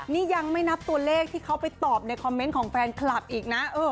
นี่ยังไม่นับตัวเลขที่เขาไปตอบในคอมเมนต์ของแฟนคลับอีกนะ